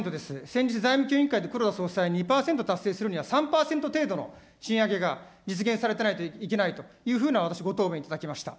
先日、財務委員会で黒田総裁２％達成するには３％程度の賃上げが実現されてないといけないというふうなご答弁いただきました。